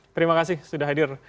terima kasih sudah hadir